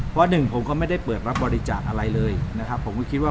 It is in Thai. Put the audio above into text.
เพราะหนึ่งผมก็ไม่ได้เปิดรับบริจาคอะไรเลยนะครับผมก็คิดว่า